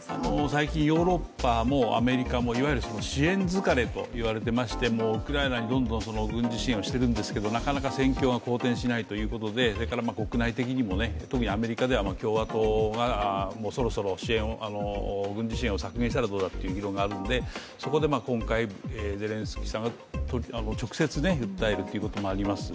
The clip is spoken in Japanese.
最近、ヨーロッパもアメリカもいわゆる支援疲れといわれてましてウクライナにどんどん軍事支援をしているんですけれども、なかなか戦況が好転しないということで国内的にもアメリカでは共和党がそろそろ軍事支援を削減したらどうだという議論があるんで、そこで今回、ゼレンスキーさんが直接、訴えるということもあります。